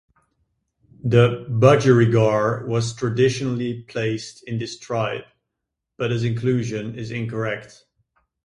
The budgerigar was traditionally placed in this tribe, but this inclusion is incorrect.